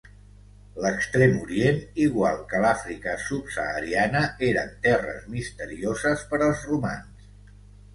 L'Extrem Orient, igual que l'Àfrica subsahariana, eren terres misterioses per als romans.